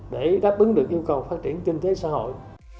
để đáp ứng được yêu cầu phát triển kinh tế xã hội